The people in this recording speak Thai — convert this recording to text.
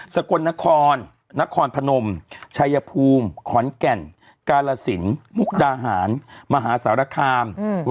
กลนครนครพนมชายภูมิขอนแก่นกาลสินมุกดาหารมหาสารคาม